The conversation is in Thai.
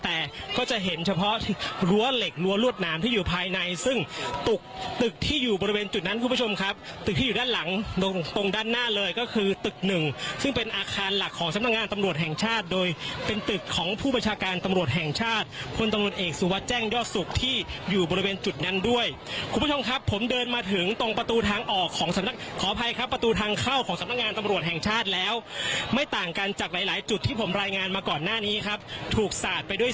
แต่ก็จะเห็นเฉพาะรั้วเหล็กรั้วรวดน้ำที่อยู่ภายในซึ่งตึกที่อยู่บริเวณจุดนั้นคุณผู้ชมครับตึกที่อยู่ด้านหลังตรงด้านหน้าเลยก็คือตึกหนึ่งซึ่งเป็นอาคารหลักของสำนักงานตำรวจแห่งชาติโดยเป็นตึกของผู้บัญชาการตำรวจแห่งชาติคนตำรวจเอกสูงว่าแจ้งยอดสุขที่อยู่บริเวณจุดนั้นด้วย